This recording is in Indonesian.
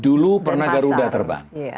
dulu pernah garuda terbang